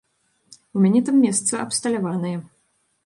У мяне там месца абсталяванае.